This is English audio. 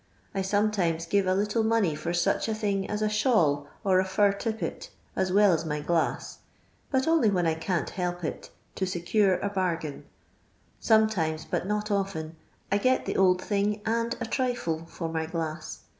I some timet give a little money for such a thing as a •luiwl, m ti fwt tippet, as well as my glass — but only when I can*t help it — to secure a bargain. Sometimca^ bnt not often, I get the old thing and a trifle for my glass.